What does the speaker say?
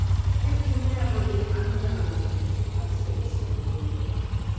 "It can never be undone," I said soberly.